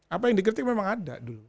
apa yang dikritik memang ada